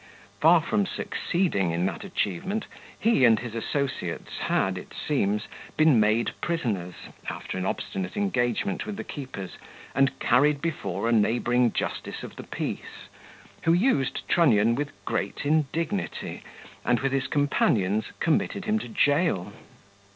Far from succeeding in that achievement, he and his associates had, it seems, been made prisoners, after an obstinate engagement with the keepers, and carried before a neighbouring justice of the peace, who used Trunnion with great indignity, and with his companions committed him to jail.